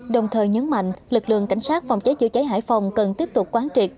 đồng thời nhấn mạnh lực lượng cảnh sát phòng cháy chữa cháy hải phòng cần tiếp tục quán triệt